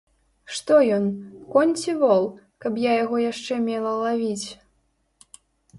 Што ён, конь ці вол, каб я яго яшчэ мела лавіць?